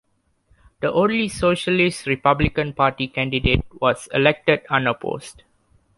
The only Socialist Republican Party candidate was elected unopposed.